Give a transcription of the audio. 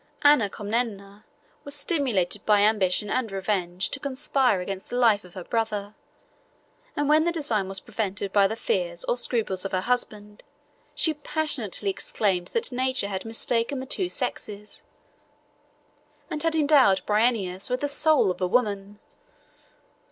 Anna Comnena was stimulated by ambition and revenge to conspire against the life of her brother, and when the design was prevented by the fears or scruples of her husband, she passionately exclaimed that nature had mistaken the two sexes, and had endowed Bryennius with the soul of a woman.